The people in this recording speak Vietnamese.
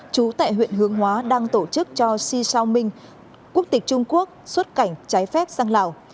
chú tại huyện hương hóa đang tổ chức cho xi shao ming quốc tịch trung quốc xuất cảnh cháy phép sang lào